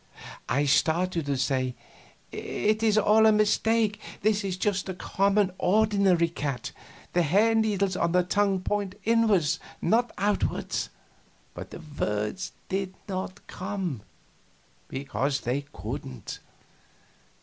I started to say, "It is all a mistake; this is just a common, ordinary cat; the hair needles on her tongue point inward, not outward." But the words did not come, because they couldn't.